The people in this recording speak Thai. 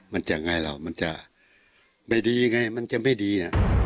มันจะอย่างไรหรือมันจะไม่ดีไงมันจะไม่ดีนะ